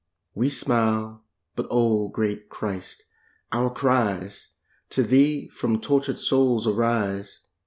We smile, but oh great Christ, our cries To Thee from tortured souls arise.